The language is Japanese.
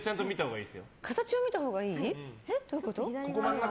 どういうこと？